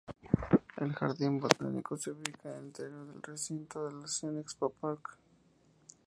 El jardín botánico se ubica en el interior del recinto del "Ocean Expo Park".